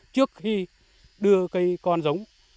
trước khi đưa cây con giống